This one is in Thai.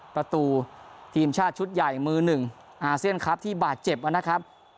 ประตูทีมชาติชุดใหญ่มือหนึ่งอาเซียนครับที่บาดเจ็บนะครับ